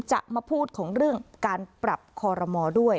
จะมาพูดของเรื่องการปรับคอรมอด้วย